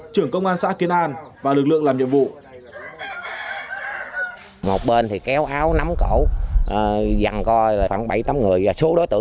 trưởng công an xã kiến an và lực lượng làm nhiệm vụ